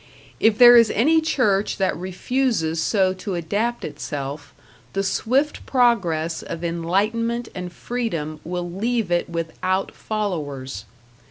If there is any church that refuses so to adapt itself, the swift progress of enlightenment and freedom will leave it without followers.